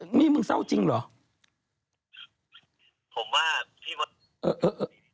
เนี่ยมึงเศร้าจริงหรอโอเค